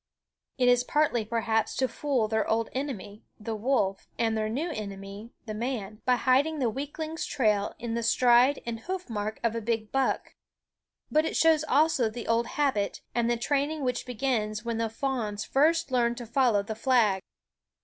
It is partly, perhaps, to fool their old enemy, the wolf, and their new enemy, the man, by hiding the weakling's trail in the stride and hoof mark of a big buck; but it shows also the old habit, and the training which begins when the fawns first learn to follow the flag.